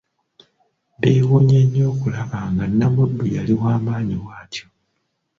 Beewunya nnyo okulaba nga Namuddu yali wamaanyi bwatyo.